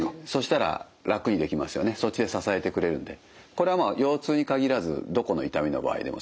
これはまあ腰痛に限らずどこの痛みの場合でもそうですよね。